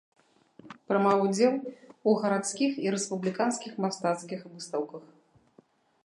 Прымаў удзел у гарадскіх і рэспубліканскіх мастацкіх выстаўках.